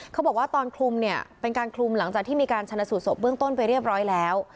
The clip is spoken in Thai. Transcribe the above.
เขาบอกว่าตอนคลุมเนี่ยเป็นการคลุมหลังจากที่มีการชนะสูตศพเบื้องต้นไปเรียบร้อยแล้ว